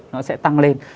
nó sẽ tăng lên